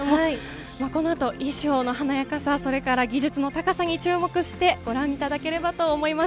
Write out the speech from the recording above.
このあと衣装ぼ華やかさ技術の高さに注目してご覧いただければと思います。